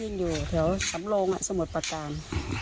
อยู่แถวสำโลงสมุทรประการ